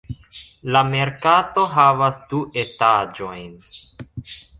La merkato havas du etaĝojn.